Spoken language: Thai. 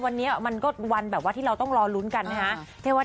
วันนี้มันก็วันแบบว่าที่เราต้องรอลุ้นกันนะฮะ